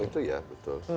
kalau itu ya betul